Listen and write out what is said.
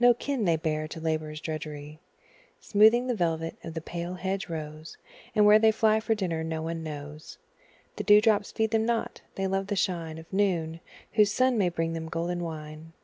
No kin they bear to labour's drudgery, Smoothing the velvet of the pale hedge rose; And where they fly for dinner no one knows The dew drops feed them not they love the shine Of noon, whose sun may bring them golden wine.